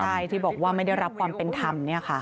ใช่ที่บอกว่าไม่ได้รับความเป็นธรรม